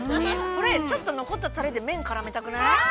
◆これちょっと残ったタレで麺、絡めたくない？